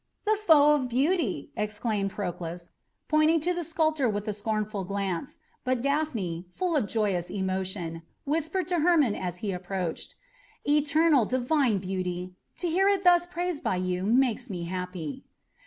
"The foe of beauty!" exclaimed Proclus, pointing to the sculptor with a scornful glance; but Daphne, full of joyous emotion, whispered to Hermon as he approached her: "Eternal, divine beauty! To hear it thus praised by you makes me happy."